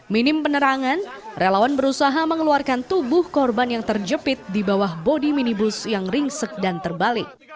minim penerangan relawan berusaha mengeluarkan tubuh korban yang terjepit di bawah bodi minibus yang ringsek dan terbalik